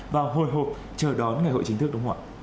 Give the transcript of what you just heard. và hồi hộp chờ đón ngày hội chính thức đúng không ạ